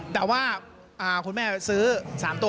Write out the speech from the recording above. แต่ว่าคุณแม่ซื้อ๓ตัว